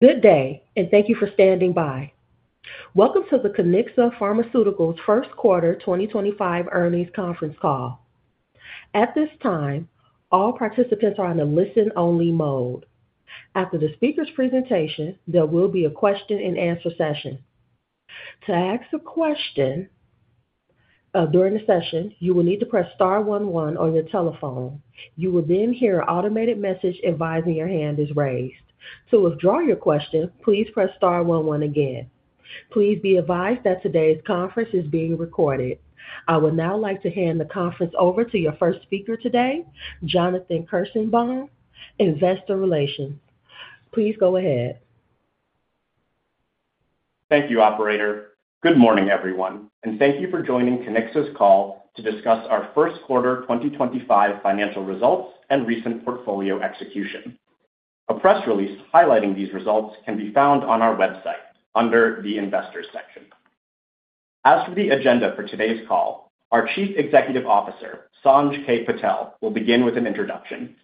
Good day, and thank you for standing by. Welcome to the Kiniksa Pharmaceuticals Q1 2025 Earnings Conference Call. At this time, all participants are in a listen-only mode. After the speaker's presentation, there will be a question-and-answer session. To ask a question during the session, you will need to press star 11 on your telephone. You will then hear an automated message advising your hand is raised. To withdraw your question, please press star 11 again. Please be advised that today's conference is being recorded. I would now like to hand the conference over to your first speaker today, Jonathan Kirshenbaum, Investor Relations. Please go ahead. Thank you, Operator. Good morning, everyone, and thank you for joining Kiniksa's call to discuss our Q1 2025 financial results and recent portfolio execution. A press release highlighting these results can be found on our website under the Investors section. As for the agenda for today's call, our Chief Executive Officer, Sanj K. Patel, will begin with an introduction.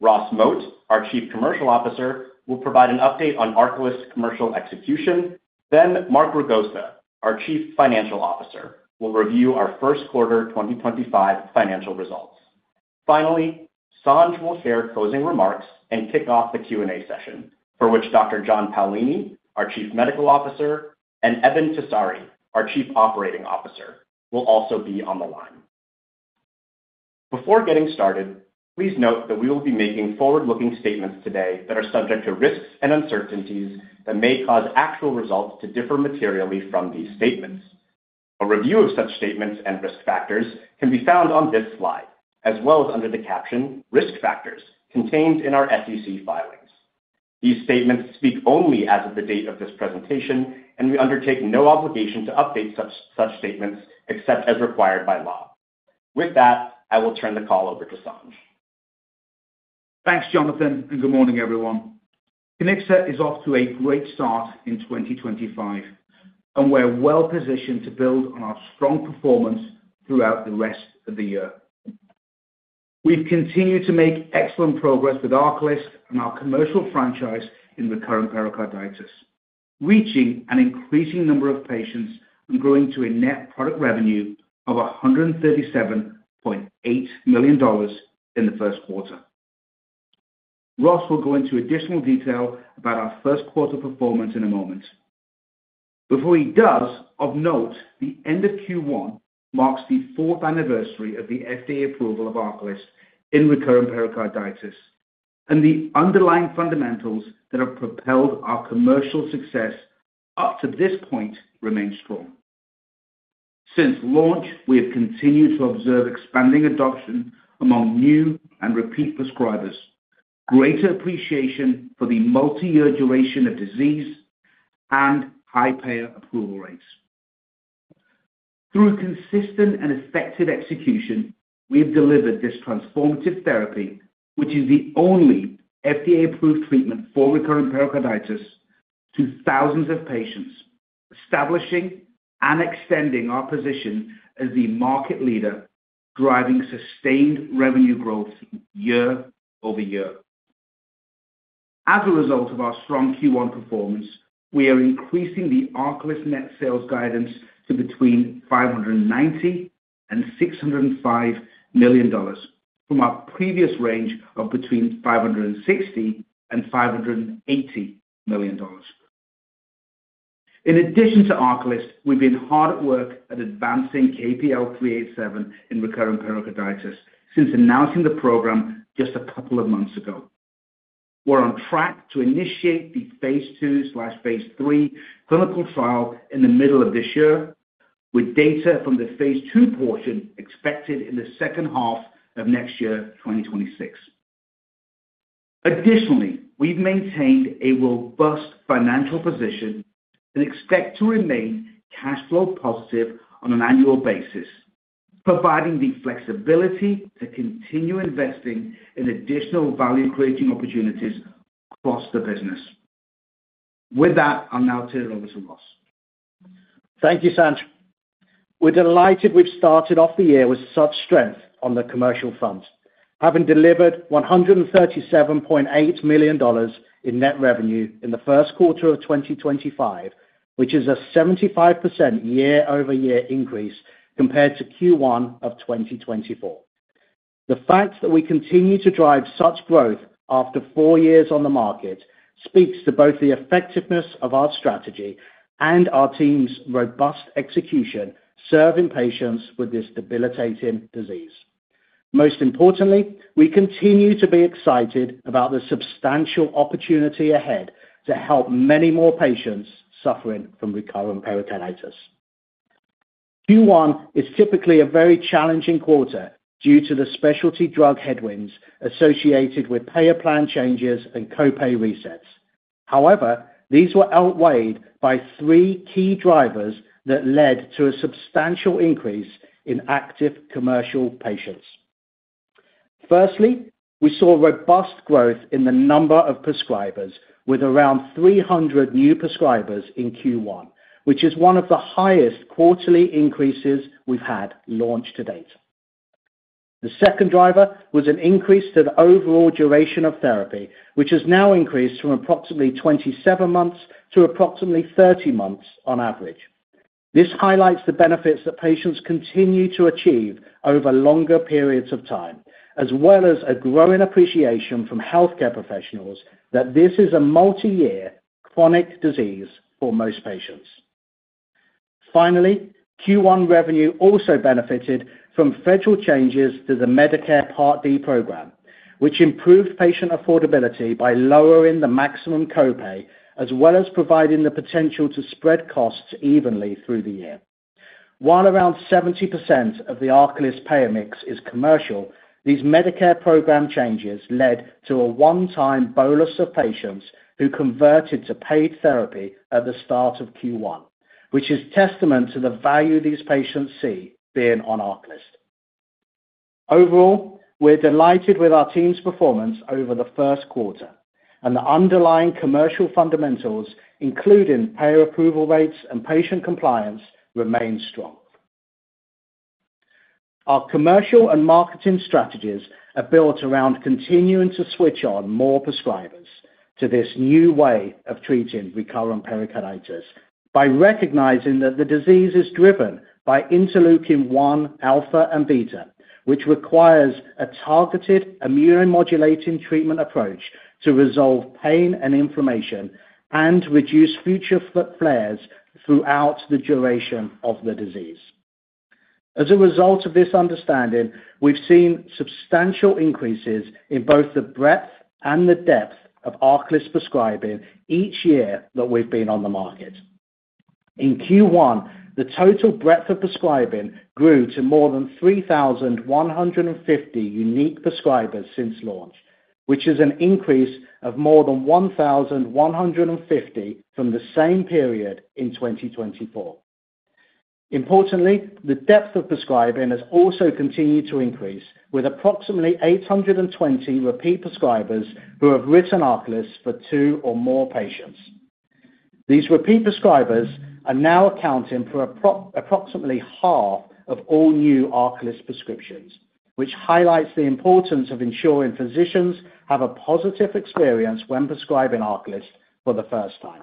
Ross Moat, our Chief Commercial Officer, will provide an update on Arcalyst's commercial execution. Then, Mark Ragone, our Chief Financial Officer, will review our Q1 2025 financial results. Finally, Sanj will share closing remarks and kick off the Q&A session, for which Dr. John Paolini, our Chief Medical Officer, and Eben Tessari, our Chief Operating Officer, will also be on the line. Before getting started, please note that we will be making forward-looking statements today that are subject to risks and uncertainties that may cause actual results to differ materially from these statements. A review of such statements and risk factors can be found on this slide, as well as under the caption, "Risk Factors," contained in our SEC filings. These statements speak only as of the date of this presentation, and we undertake no obligation to update such statements except as required by law. With that, I will turn the call over to Sanj. Thanks, Jonathan, and good morning, everyone. Kiniksa is off to a great start in 2025, and we're well positioned to build on our strong performance throughout the rest of the year. We've continued to make excellent progress with Arcalyst and our commercial franchise in recurrent pericarditis, reaching an increasing number of patients and growing to a net product revenue of $137.8 million in the Q1. Ross will go into additional detail about our Q1 performance in a moment. Before he does, of note, the end of Q1 marks the fourth anniversary of the FDA approval of Arcalyst in recurrent pericarditis, and the underlying fundamentals that have propelled our commercial success up to this point remain strong. Since launch, we have continued to observe expanding adoption among new and repeat prescribers, greater appreciation for the multi-year duration of disease, and high payer approval rates. Through consistent and effective execution, we have delivered this transformative therapy, which is the only FDA-approved treatment for recurrent pericarditis, to thousands of patients, establishing and extending our position as the market leader, driving sustained revenue growth year-over-year. As a result of our strong Q1 performance, we are increasing the Arcalyst net sales guidance to between $590 million and $605 million, from our previous range of between $560 million and $580 million. In addition to Arcalyst, we've been hard at work at advancing KPL-387 in recurrent pericarditis since announcing the program just a couple of months ago. We're on track to initiate the phase II/phase III clinical trial in the middle of this year, with data from the phase II portion expected in the second half of next year, 2026. Additionally, we've maintained a robust financial position and expect to remain cash flow positive on an annual basis, providing the flexibility to continue investing in additional value-creating opportunities across the business. With that, I'll now turn it over to Ross. Thank you, Sanj. We're delighted we've started off the year with such strength on the commercial front, having delivered $137.8 million in net revenue in the Q1 of 2025, which is a 75% year-over-year increase compared to Q1 of 2024. The fact that we continue to drive such growth after four years on the market speaks to both the effectiveness of our strategy and our team's robust execution serving patients with this debilitating disease. Most importantly, we continue to be excited about the substantial opportunity ahead to help many more patients suffering from recurrent pericarditis. Q1 is typically a very challenging quarter due to the specialty drug headwinds associated with payer plan changes and copay resets. However, these were outweighed by three key drivers that led to a substantial increase in active commercial patients. Firstly, we saw robust growth in the number of prescribers, with around 300 new prescribers in Q1, which is one of the highest quarterly increases we've had launched to date. The second driver was an increase to the overall duration of therapy, which has now increased from approximately 27 months to approximately 30 months on average. This highlights the benefits that patients continue to achieve over longer periods of time, as well as a growing appreciation from healthcare professionals that this is a multi-year chronic disease for most patients. Finally, Q1 revenue also benefited from federal changes to the Medicare Part D program, which improved patient affordability by lowering the maximum copay, as well as providing the potential to spread costs evenly through the year. While around 70% of the Arcalyst payer mix is commercial, these Medicare program changes led to a one-time bolus of patients who converted to paid therapy at the start of Q1, which is testament to the value these patients see being on Arcalyst. Overall, we're delighted with our team's performance over the Q1, and the underlying commercial fundamentals, including payer approval rates and patient compliance, remain strong. Our commercial and marketing strategies are built around continuing to switch on more prescribers to this new way of treating recurrent pericarditis by recognizing that the disease is driven by interleukin-1 alpha and beta, which requires a targeted immunomodulating treatment approach to resolve pain and inflammation and reduce future flares throughout the duration of the disease. As a result of this understanding, we've seen substantial increases in both the breadth and the depth of Arcalyst prescribing each year that we've been on the market. In Q1, the total breadth of prescribing grew to more than 3,150 unique prescribers since launch, which is an increase of more than 1,150 from the same period in 2024. Importantly, the depth of prescribing has also continued to increase, with approximately 820 repeat prescribers who have written Arcalyst for two or more patients. These repeat prescribers are now accounting for approximately half of all new Arcalyst prescriptions, which highlights the importance of ensuring physicians have a positive experience when prescribing Arcalyst for the first time.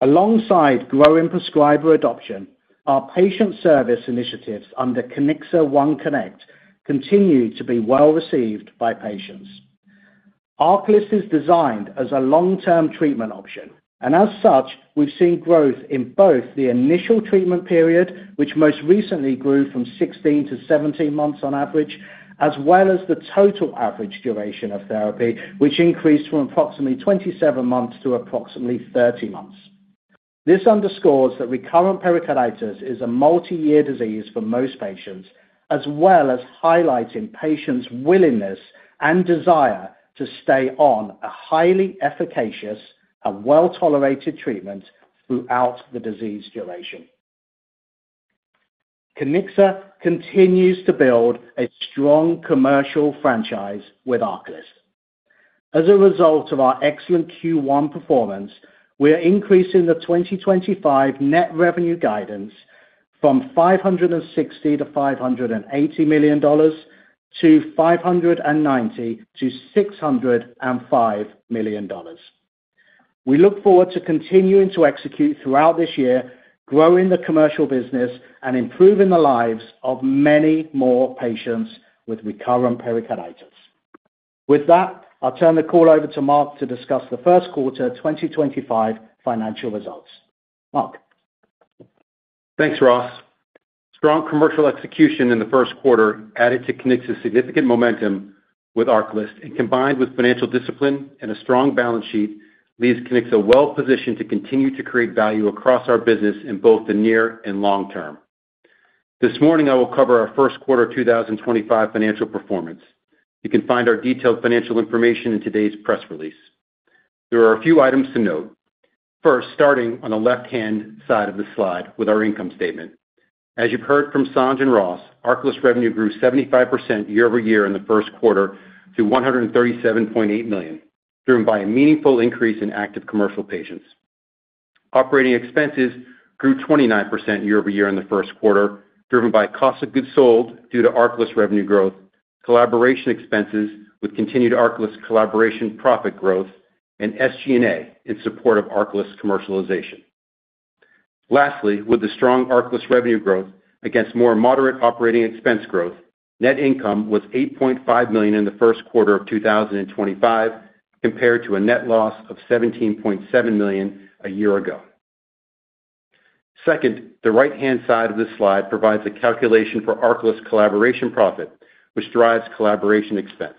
Alongside growing prescriber adoption, our patient service initiatives under Kiniksa One Connect continue to be well received by patients. Arcalyst is designed as a long-term treatment option, and as such, we've seen growth in both the initial treatment period, which most recently grew from 16 to 17 months on average, as well as the total average duration of therapy, which increased from approximately 27 months to approximately 30 months. This underscores that recurrent pericarditis is a multi-year disease for most patients, as well as highlighting patients' willingness and desire to stay on a highly efficacious and well-tolerated treatment throughout the disease duration. Kiniksa continues to build a strong commercial franchise with Arcalyst. As a result of our excellent Q1 performance, we are increasing the 2025 net revenue guidance from $560 million-$580 million to $590 million-$605 million. We look forward to continuing to execute throughout this year, growing the commercial business, and improving the lives of many more patients with recurrent pericarditis. With that, I'll turn the call over to Mark to discuss the Q1 2025 financial results. Mark. Thanks, Ross. Strong commercial execution in the Q1 added to Kiniksa's significant momentum with Arcalyst, and combined with financial discipline and a strong balance sheet, leaves Kiniksa well positioned to continue to create value across our business in both the near and long term. This morning, I will cover our Q1 2025 financial performance. You can find our detailed financial information in today's press release. There are a few items to note. First, starting on the left-hand side of the slide with our income statement. As you've heard from Sanj and Ross, Arcalyst revenue grew 75% year-over-year in the Q1 to $137.8 million, driven by a meaningful increase in active commercial patients. Operating expenses grew 29% year-over-year in the Q1, driven by cost of goods sold due to Arcalyst revenue growth, collaboration expenses with continued Arcalyst collaboration profit growth, and SG&A in support of Arcalyst commercialization. Lastly, with the strong Arcalyst revenue growth against more moderate operating expense growth, net income was $8.5 million in the Q1 of 2025, compared to a net loss of $17.7 million a year ago. Second, the right-hand side of this slide provides a calculation for Arcalyst collaboration profit, which drives collaboration expense.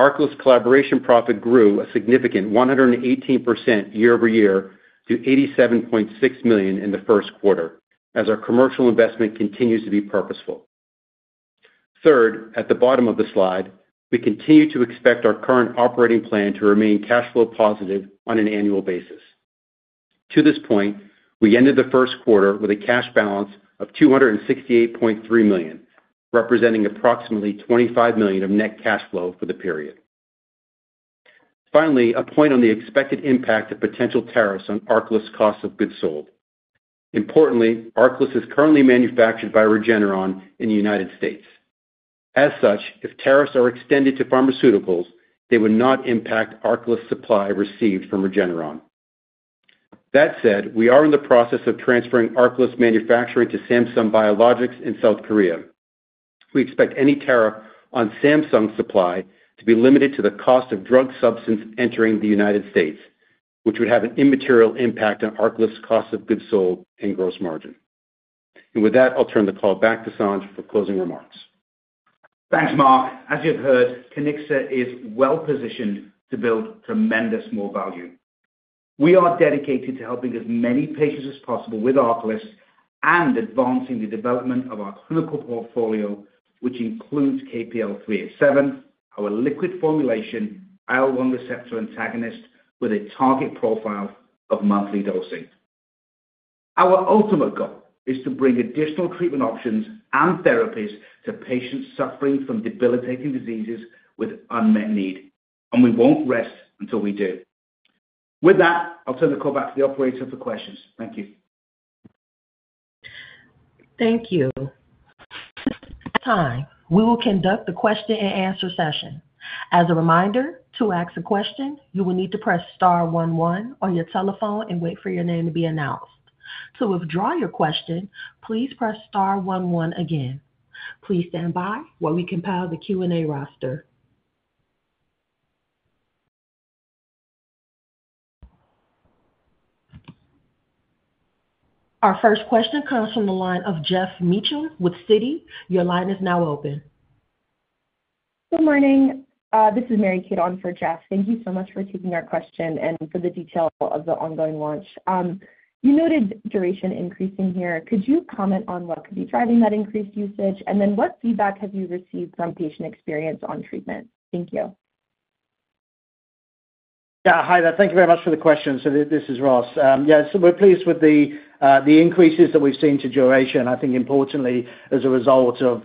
Arcalyst collaboration profit grew a significant 118% year-over-year to $87.6 million in the Q1, as our commercial investment continues to be purposeful. Third, at the bottom of the slide, we continue to expect our current operating plan to remain cash flow positive on an annual basis. To this point, we ended the Q1 with a cash balance of $268.3 million, representing approximately $25 million of net cash flow for the period. Finally, a point on the expected impact of potential tariffs on Arcalyst's cost of goods sold. Importantly, Arcalyst is currently manufactured by Regeneron in the United States. As such, if tariffs are extended to pharmaceuticals, they would not impact Arcalyst's supply received from Regeneron. That said, we are in the process of transferring Arcalyst manufacturing to Samsung Biologics in South Korea. We expect any tariff on Samsung's supply to be limited to the cost of drug substance entering the United States, which would have an immaterial impact on Arcalyst's cost of goods sold and gross margin. With that, I'll turn the call back to Sanj for closing remarks. Thanks, Mark. As you've heard, Kiniksa is well positioned to build tremendous more value. We are dedicated to helping as many patients as possible with Arcalyst and advancing the development of our clinical portfolio, which includes KPL-387, our liquid formulation, IL-1 receptor antagonist with a target profile of monthly dosing. Our ultimate goal is to bring additional treatment options and therapies to patients suffering from debilitating diseases with unmet need, and we won't rest until we do. With that, I'll turn the call back to the operator for questions. Thank you. Thank you. At this time, we will conduct the question-and-answer session. As a reminder, to ask a question, you will need to press star 11 on your telephone and wait for your name to be announced. To withdraw your question, please press star 11 again. Please stand by while we compile the Q&A roster. Our first question comes from the line of Jeff Meacham with Jefferies. Your line is now open. Good morning. This is Mary Kidd on for Jeff. Thank you so much for taking our question and for the detail of the ongoing launch. You noted duration increasing here. Could you comment on what could be driving that increased usage, and then what feedback have you received from patient experience on treatment? Thank you. Yeah, hi there. Thank you very much for the question. This is Ross. Yeah, we're pleased with the increases that we've seen to duration. I think importantly, as a result of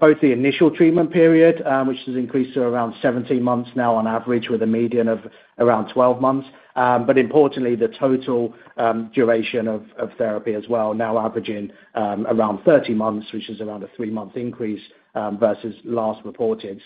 both the initial treatment period, which has increased to around 17 months now on average, with a median of around 12 months, but importantly, the total duration of therapy as well, now averaging around 30 months, which is around a three-month increase versus last reported.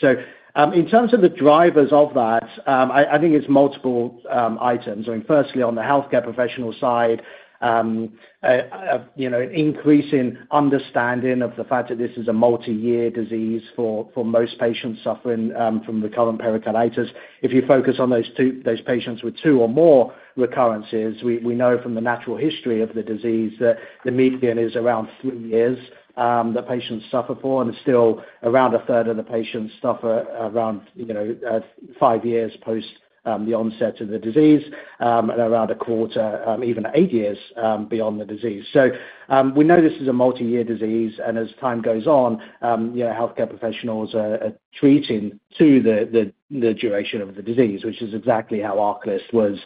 In terms of the drivers of that, I think it's multiple items. I mean, firstly, on the healthcare professional side, an increasing understanding of the fact that this is a multi-year disease for most patients suffering from recurrent pericarditis. If you focus on those patients with two or more recurrences, we know from the natural history of the disease that the median is around three years that patients suffer for, and still around a third of the patients suffer around five years post the onset of the disease and around a quarter, even eight years beyond the disease. We know this is a multi-year disease, and as time goes on, healthcare professionals are treating to the duration of the disease, which is exactly how Arcalyst was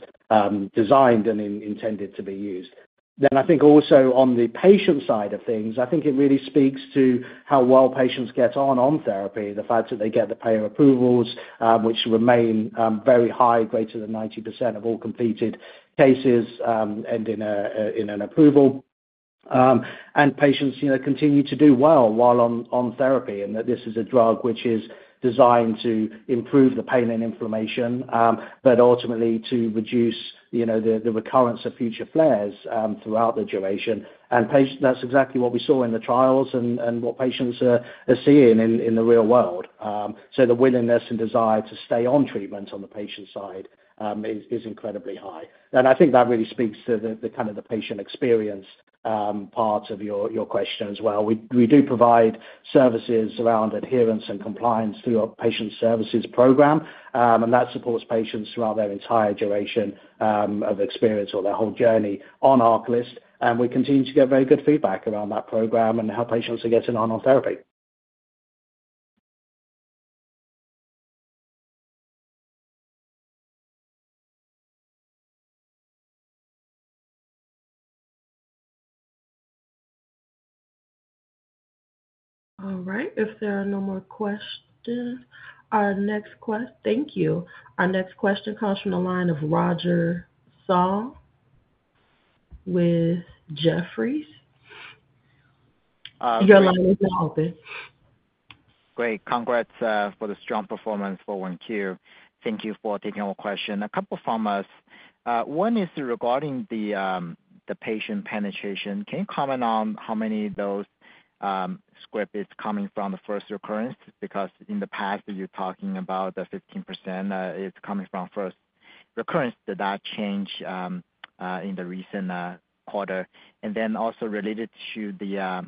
designed and intended to be used. I think also on the patient side of things, I think it really speaks to how well patients get on therapy, the fact that they get the payer approvals, which remain very high, greater than 90% of all completed cases end in an approval, and patients continue to do well while on therapy, and that this is a drug which is designed to improve the pain and inflammation, but ultimately to reduce the recurrence of future flares throughout the duration. That is exactly what we saw in the trials and what patients are seeing in the real world. The willingness and desire to stay on treatment on the patient side is incredibly high. I think that really speaks to the kind of the patient experience part of your question as well. We do provide services around adherence and compliance through our patient services program, and that supports patients throughout their entire duration of experience or their whole journey on Arcalyst. We continue to get very good feedback around that program and how patients are getting on therapy. All right. If there are no more questions, our next question—thank you. Our next question comes from the line of Roger Song with Jefferies. Your line is now open. Great. Congrats for the strong performance for Q1. Thank you for taking our question. A couple of from us. One is regarding the patient penetration. Can you comment on how many of those scripts are coming from the first recurrence? Because in the past, you're talking about the 15% is coming from first recurrence. Did that change in the recent quarter? Also related to the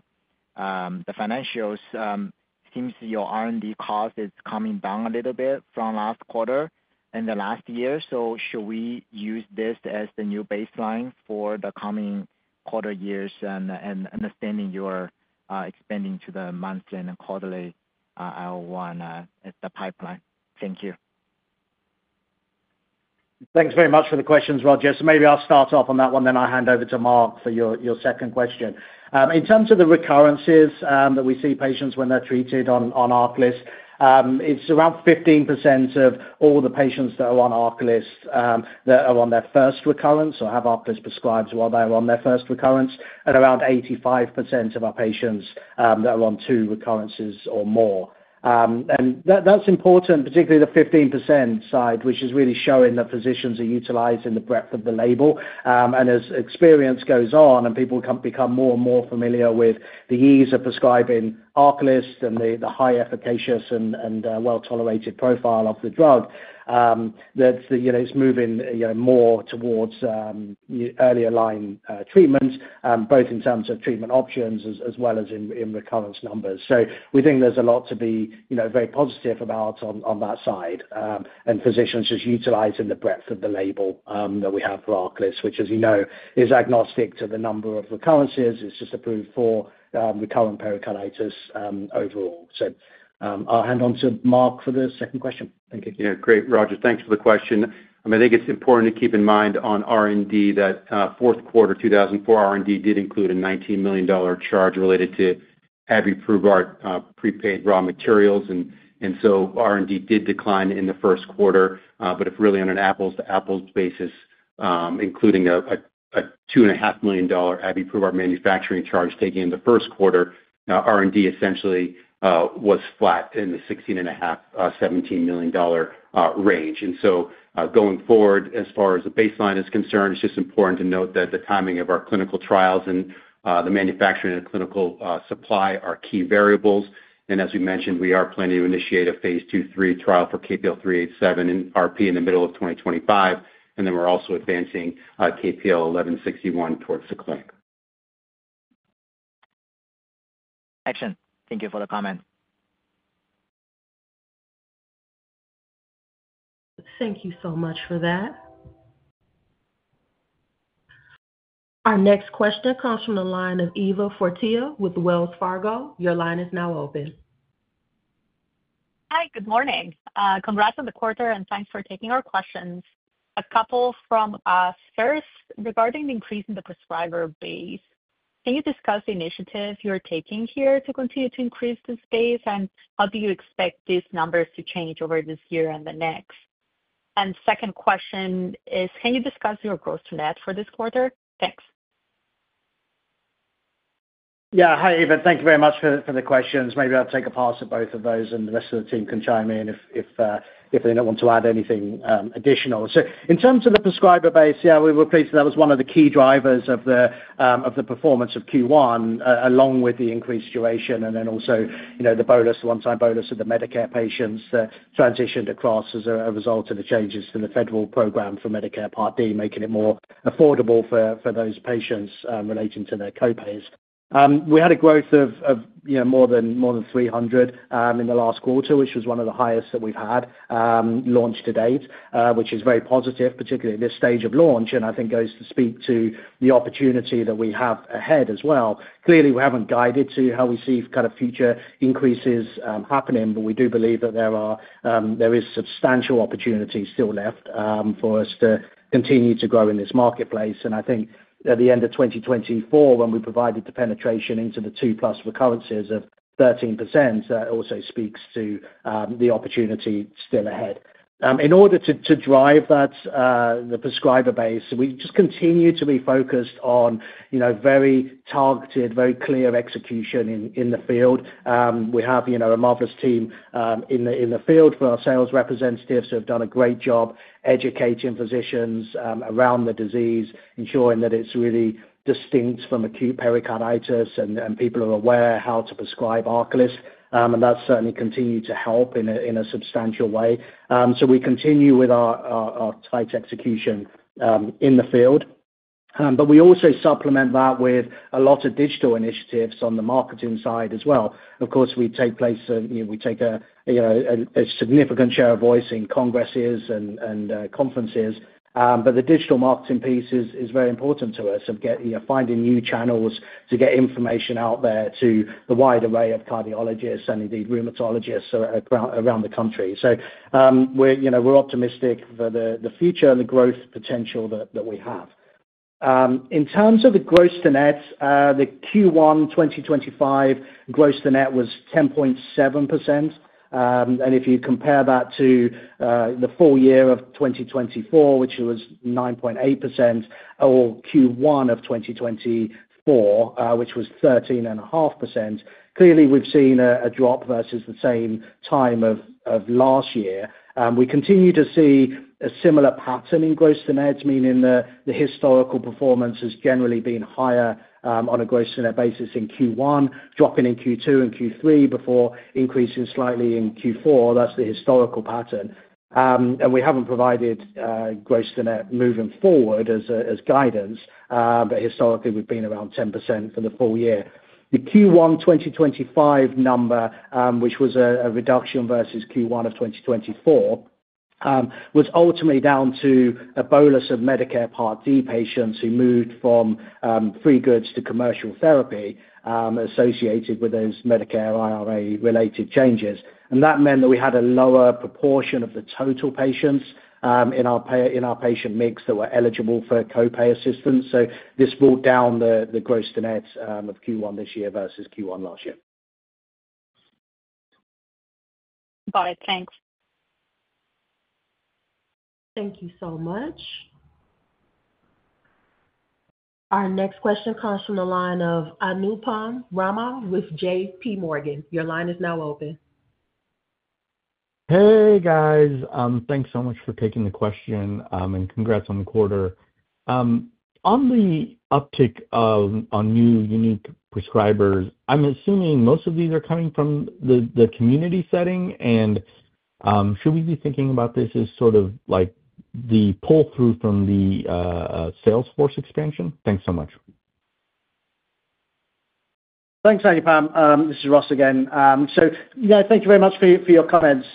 financials, it seems your R&D cost is coming down a little bit from last quarter and the last year. Should we use this as the new baseline for the coming quarter years and understanding you're expanding to the monthly and quarterly IL-1 pipeline? Thank you. Thanks very much for the questions, Roger. Maybe I'll start off on that one, then I'll hand over to Mark for your second question. In terms of the recurrences that we see patients when they're treated on Arcalyst, it's around 15% of all the patients that are on Arcalyst that are on their first recurrence or have Arcalyst prescribed while they're on their first recurrence, and around 85% of our patients that are on two recurrences or more. That's important, particularly the 15% side, which is really showing that physicians are utilizing the breadth of the label. As experience goes on and people become more and more familiar with the ease of prescribing Arcalyst and the high efficacious and well-tolerated profile of the drug, it's moving more towards earlier line treatments, both in terms of treatment options as well as in recurrence numbers. We think there's a lot to be very positive about on that side, and physicians just utilizing the breadth of the label that we have for Arcalyst, which, as you know, is agnostic to the number of recurrences. It's just approved for recurrent pericarditis overall. I'll hand on to Mark for the second question. Thank you. Yeah. Great, Roger. Thanks for the question. I think it's important to keep in mind on R&D that Q4 2024, R&D did include a $19 million charge related to abiprubart prepaid raw materials. R&D did decline in the Q1, but if really on an apples-to-apples basis, including a $2.5 million abiprubart manufacturing charge taken in the Q1, R&D essentially was flat in the $16.5-$17 million range. Going forward, as far as the baseline is concerned, it's just important to note that the timing of our clinical trials and the manufacturing of clinical supply are key variables. As we mentioned, we are planning to initiate a phase II, III trial for KPL-387 in RP in the middle of 2025. We are also advancing KPL-1161 towards the clinic. Excellent. Thank you for the comment. Thank you so much for that. Our next question comes from the line of Eva Fortea-Verdejo with Wells Fargo. Your line is now open. Hi. Good morning. Congrats on the quarter, and thanks for taking our questions. A couple from us. First, regarding the increase in the prescriber base, can you discuss the initiative you're taking here to continue to increase this base? How do you expect these numbers to change over this year and the next? Second question is, can you discuss your gross net for this quarter? Thanks. Yeah. Hi, Eva. Thank you very much for the questions. Maybe I'll take a pass at both of those, and the rest of the team can chime in if they want to add anything additional. In terms of the prescriber base, yeah, we were pleased that that was one of the key drivers of the performance of Q1, along with the increased duration and then also the bolus, the one-time bolus of the Medicare patients that transitioned across as a result of the changes to the federal program for Medicare Part D, making it more affordable for those patients relating to their co-pays. We had a growth of more than 300 in the last quarter, which was one of the highest that we've had launched to date, which is very positive, particularly at this stage of launch, and I think goes to speak to the opportunity that we have ahead as well. Clearly, we haven't guided to how we see kind of future increases happening, but we do believe that there is substantial opportunity still left for us to continue to grow in this marketplace. I think at the end of 2024, when we provided the penetration into the two-plus recurrences of 13%, that also speaks to the opportunity still ahead. In order to drive that, the prescriber base, we just continue to be focused on very targeted, very clear execution in the field. We have a marvelous team in the field for our sales representatives who have done a great job educating physicians around the disease, ensuring that it's really distinct from acute pericarditis and people are aware how to prescribe Arcalyst. That's certainly continued to help in a substantial way. We continue with our tight execution in the field. We also supplement that with a lot of digital initiatives on the marketing side as well. Of course, we take place and we take a significant share of voice in congresses and conferences. The digital marketing piece is very important to us of finding new channels to get information out there to the wide array of cardiologists and indeed rheumatologists around the country. We're optimistic for the future and the growth potential that we have. In terms of the gross to net, the Q1 2025 gross to net was 10.7%. If you compare that to the full year of 2024, which was 9.8%, or Q1 of 2024, which was 13.5%, clearly we've seen a drop versus the same time of last year. We continue to see a similar pattern in gross to net, meaning the historical performance has generally been higher on a gross to net basis in Q1, dropping in Q2 and Q3 before increasing slightly in Q4. That is the historical pattern. We haven't provided gross to net moving forward as guidance, but historically, we've been around 10% for the full year. The Q1 2025 number, which was a reduction versus Q1 of 2024, was ultimately down to a bolus of Medicare Part D patients who moved from free goods to commercial therapy associated with those Medicare IRA-related changes. That meant that we had a lower proportion of the total patients in our patient mix that were eligible for co-pay assistance. This brought down the gross to net of Q1 this year versus Q1 last year. Got it. Thanks. Thank you so much. Our next question comes from the line of Anupam Rama with JPMorgan. Your line is now open. Hey, guys. Thanks so much for taking the question, and congrats on the quarter. On the uptick on new unique prescribers, I'm assuming most of these are coming from the community setting. Should we be thinking about this as sort of like the pull-through from the sales force expansion? Thanks so much. Thanks, Anupam. This is Ross again. Thank you very much for your comments.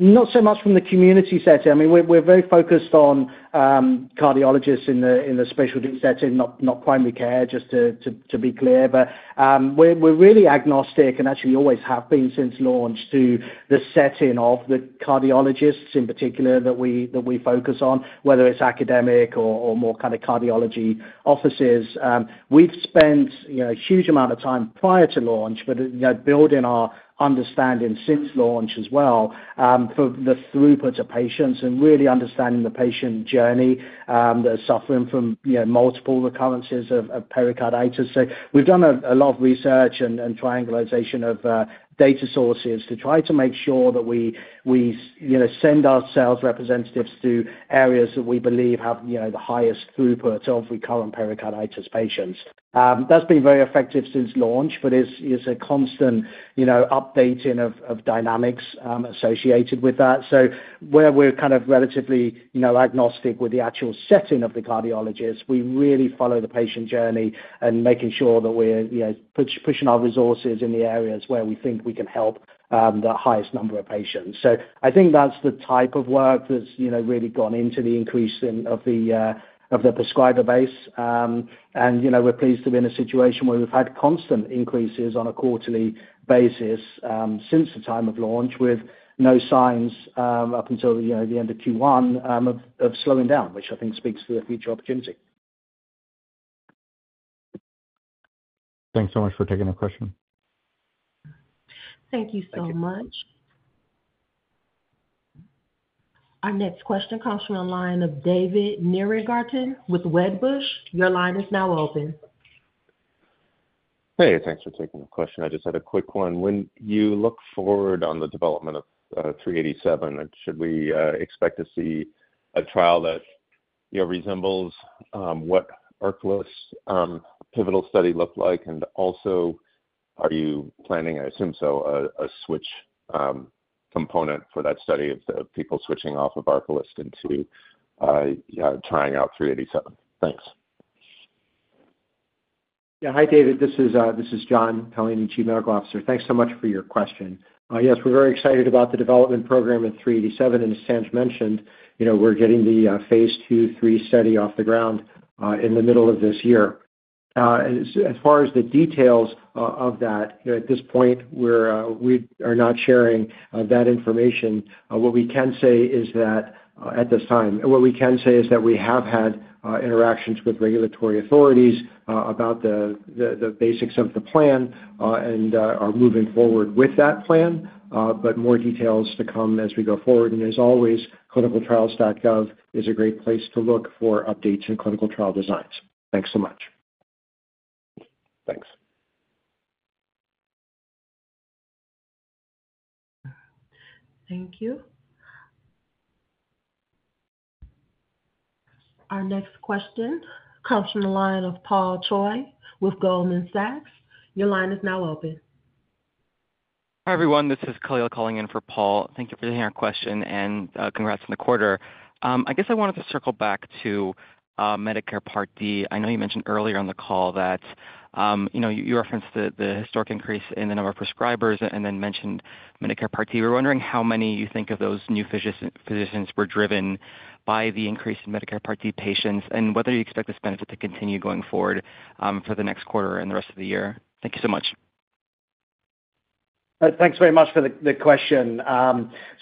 Not so much from the community setting. I mean, we're very focused on cardiologists in the specialty setting, not primary care, just to be clear. We're really agnostic and actually always have been since launch to the setting of the cardiologists in particular that we focus on, whether it's academic or more kind of cardiology offices. We've spent a huge amount of time prior to launch building our understanding since launch as well for the throughput of patients and really understanding the patient journey that is suffering from multiple recurrences of pericarditis. We've done a lot of research and triangulation of data sources to try to make sure that we send our sales representatives to areas that we believe have the highest throughput of recurrent pericarditis patients. That's been very effective since launch, but it's a constant updating of dynamics associated with that. Where we're kind of relatively agnostic with the actual setting of the cardiologists, we really follow the patient journey and making sure that we're pushing our resources in the areas where we think we can help the highest number of patients. I think that's the type of work that's really gone into the increase of the prescriber base. We're pleased to be in a situation where we've had constant increases on a quarterly basis since the time of launch with no signs up until the end of Q1 of slowing down, which I think speaks to the future opportunity. Thanks so much for taking the question. Thank you so much. Our next question comes from the line of David Nierengarten with Wedbush. Your line is now open. Hey, thanks for taking the question. I just had a quick one. When you look forward on the development of 387, should we expect to see a trial that resembles what Arcalyst's pivotal study looked like? Also, are you planning, I assume so, a switch component for that study of people switching off of Arcalyst into trying out 387? Thanks. Yeah. Hi, David. This is John Paolini, Chief Medical Officer. Thanks so much for your question. Yes, we're very excited about the development program in 387. As Sanj mentioned, we're getting the phase II, three study off the ground in the middle of this year. As far as the details of that, at this point, we are not sharing that information. What we can say is that at this time, what we can say is that we have had interactions with regulatory authorities about the basics of the plan and are moving forward with that plan, but more details to come as we go forward. As always, clinicaltrials.gov is a great place to look for updates in clinical trial designs. Thanks so much. Thanks. Thank you. Our next question comes from the line of Paul Choi with Goldman Sachs. Your line is now open. Hi, everyone. This is Khalil calling in for Paul. Thank you for taking our question, and congrats on the quarter. I guess I wanted to circle back to Medicare Part D. I know you mentioned earlier on the call that you referenced the historic increase in the number of prescribers and then mentioned Medicare Part D. We're wondering how many you think of those new physicians were driven by the increase in Medicare Part D patients and whether you expect this benefit to continue going forward for the next quarter and the rest of the year. Thank you so much. Thanks very much for the question.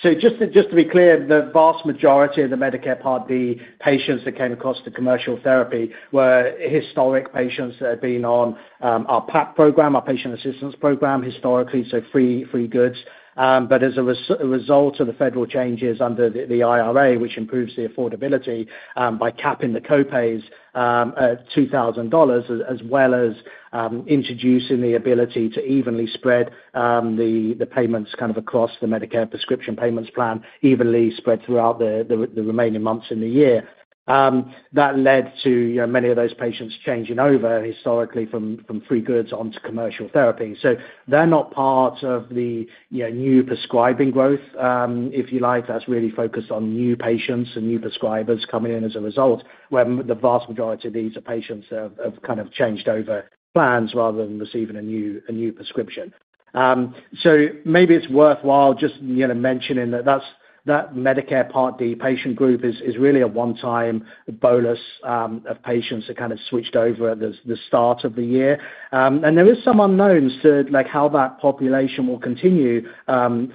Just to be clear, the vast majority of the Medicare Part D patients that came across the commercial therapy were historic patients that had been on our PAP program, our patient assistance program historically, so free goods. As a result of the federal changes under the IRA, which improves the affordability by capping the co-pays at $2,000, as well as introducing the ability to evenly spread the payments kind of across the Medicare Prescription Payments Plan, evenly spread throughout the remaining months in the year, that led to many of those patients changing over historically from free goods onto commercial therapy. They are not part of the new prescribing growth, if you like. That's really focused on new patients and new prescribers coming in as a result, where the vast majority of these are patients that have kind of changed over plans rather than receiving a new prescription. Maybe it's worthwhile just mentioning that that Medicare Part D patient group is really a one-time bolus of patients that kind of switched over at the start of the year. There are some unknowns to how that population will continue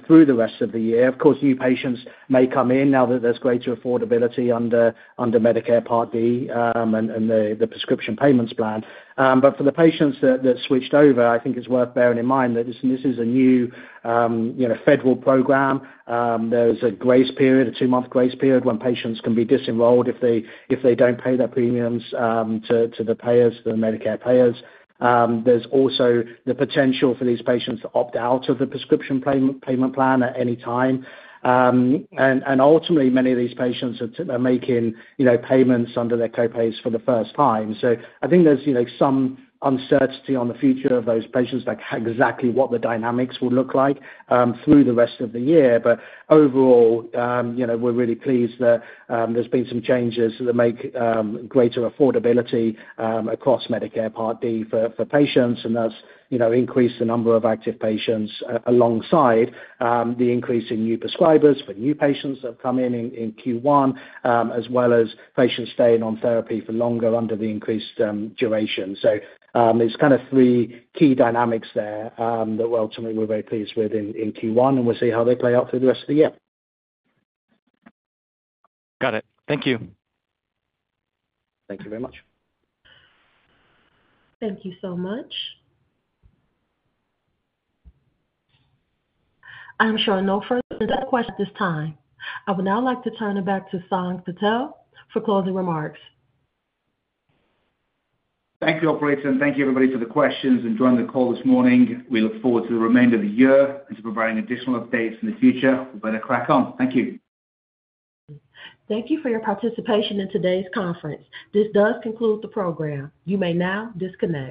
through the rest of the year. Of course, new patients may come in now that there's greater affordability under Medicare Part D and the prescription payments plan. For the patients that switched over, I think it's worth bearing in mind that this is a new federal program. There's a grace period, a two-month grace period, when patients can be disenrolled if they don't pay their premiums to the Medicare payers. There's also the potential for these patients to opt out of the prescription payment plan at any time. Ultimately, many of these patients are making payments under their co-pays for the first time. I think there's some uncertainty on the future of those patients, like exactly what the dynamics will look like through the rest of the year. Overall, we're really pleased that there's been some changes that make greater affordability across Medicare Part D for patients, and that's increased the number of active patients alongside the increase in new prescribers for new patients that have come in in Q1, as well as patients staying on therapy for longer under the increased duration. There are kind of three key dynamics there that ultimately we're very pleased with in Q1, and we'll see how they play out through the rest of the year. Got it. Thank you. Thank you very much. Thank you so much. I'm sure no further questions at this time. I would now like to turn it back to Sanj Patel for closing remarks. Thank you, Operator, and thank you, everybody, for the questions and joining the call this morning. We look forward to the remainder of the year and to providing additional updates in the future. We'd better crack on. Thank you. Thank you for your participation in today's conference. This does conclude the program. You may now disconnect.